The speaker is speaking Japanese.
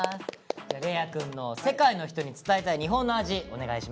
嶺亜くんの「世界の人に伝えたい日本の味」お願いします。